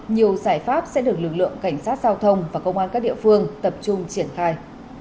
nhiều giải pháp sẽ được lực lượng cảnh sát giao thông và công an các địa phương tập trung triển khai